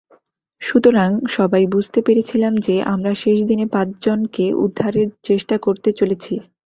সুতরাং, সবাই বুঝতে পেরেছিলাম যে আমরা শেষ দিনে পাঁচজনকে উদ্ধারের চেষ্টা করতে চলেছি।